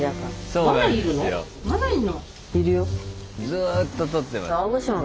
ずっと撮ってます。